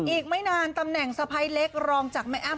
อีกไม่นานตำแหน่งสะพ้ายเล็กรองจากแม่อ้ำ